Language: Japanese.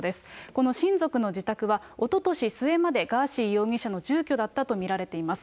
この親族の自宅は、おととし末までガーシー容疑者の住居だったと見られています。